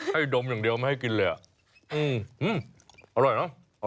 ให้ดมอย่างเดียวไม่ให้กินเลยอ่ะ